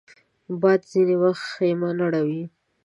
باد ځینې وخت خېمه نړوي